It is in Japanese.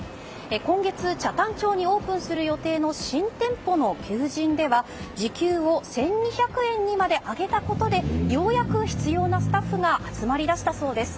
今月、北谷町にオープンする予定の新店舗の求人では時給を１２００円にまで上げたことでようやく必要なスタッフが集まり出したそうです。